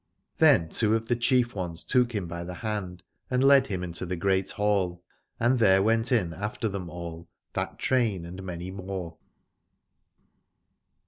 Then two of the chief ones took him by the hand and led him into the great hall, and there went in after them all that train and many more.